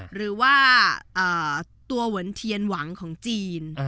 หรือว่าตัวเหมือนเทียนหวังของจีน